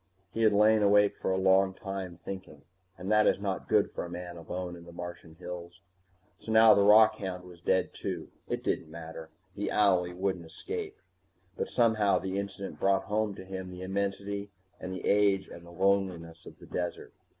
He had lain awake for a long time, thinking, and that is not good for a man alone in the Martian hills. So now the rockhound was dead too. It didn't matter, the owlie wouldn't escape. But somehow the incident brought home to him the immensity and the age and the loneliness of the desert.